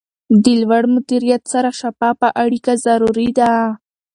د لوړ مدیریت سره شفافه اړیکه ضروري ده.